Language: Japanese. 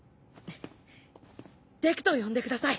「デク」と呼んでください。